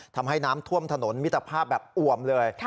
ทำให้น้ำท่วมถนนมิตรภาพแบบอวมเลย